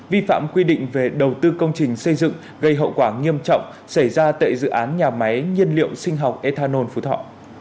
vi phạm quy định về đầu tư công trình xây dựng gây hậu quả nghiêm trọng xảy ra tại dự án nhà máy nhiên liệu sinh học ethanol phú thọ